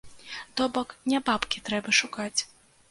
То бок не бабкі трэба шукаць!